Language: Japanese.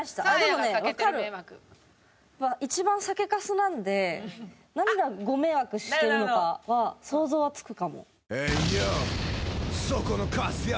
一番酒カスなんで何がご迷惑してるのかは想像はつくかも。